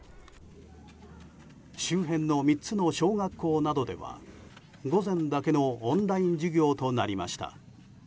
周辺の３つの小学校などでは午前だけのオンライン授業となりました。